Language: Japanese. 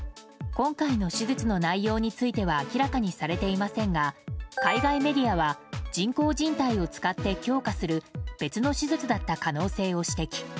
今回の手術の内容については明らかにされていませんが海外メディアは人工じん帯を使って強化する別の手術だった可能性を指摘。